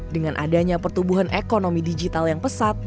dengan adanya pertumbuhan ekonomi digital yang pesat